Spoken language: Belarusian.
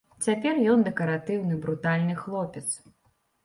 Цяпер ён дэкаратыўны брутальны хлопец.